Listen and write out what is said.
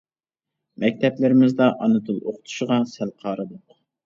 مەكتەپلىرىمىزدە ئانا تىل ئوقۇتۇشىغا سەل قارىدۇق.